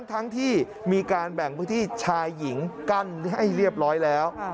ทั้งที่มีการแบ่งพื้นที่ชายหญิงกั้นให้เรียบร้อยแล้ว